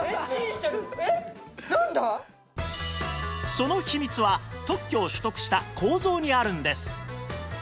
その秘密は特許を取得した構造にあるんです